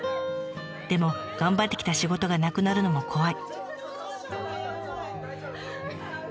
でも頑張ってきた仕事がなくなるのも怖い」。